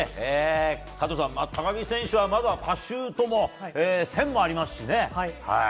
加藤さん、高木選手はまだパシュートも１０００もありますしね。